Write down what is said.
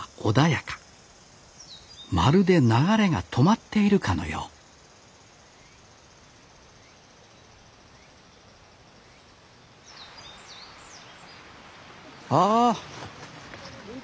まるで流れが止まっているかのようああ！